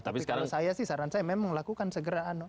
tapi kalau saya sih saran saya memang lakukan segera